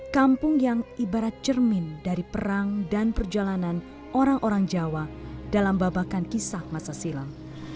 kampung yang ibarat cermin dari perang dan perjalanan orang orang jawa dalam babakan kisah masa silam